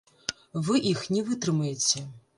Вы іх не вытрымаеце.